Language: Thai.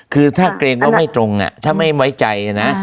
คือถ้าเกรงว่าไม่ตรงถ้าไม่ไว้ใจนะ